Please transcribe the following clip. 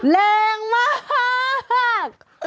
แรงมาก